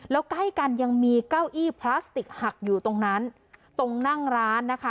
แล้วใกล้กันยังมีเก้าอี้พลาสติกหักอยู่ตรงนั้นตรงนั่งร้านนะคะ